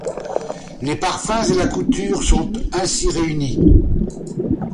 Les parfums et la couture sont ainsi réunis.